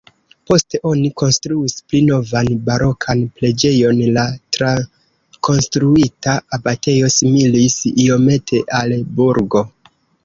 Poste oni konstruis pli novan barokan preĝejon, la trakonstruita abatejo similis iomete al burgo.